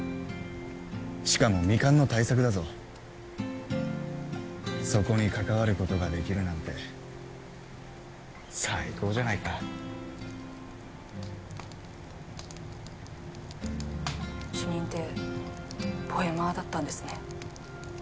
しかも未完の大作だぞそこに関わることができるなんて最高じゃないか主任ってポエマーだったんですね